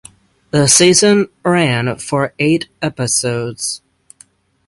The season ran for eight episodes.